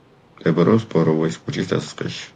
მდებარეობს ბოროვოის ქუჩის დასაწყისში.